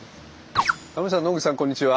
タモリさん野口さんこんにちは。